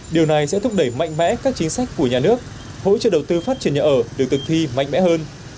điều này sẽ thúc đẩy mạnh mẽ các chính sách của nhà nước hỗ trợ đầu tư phát triển nhà ở được thực thi mạnh mẽ hơn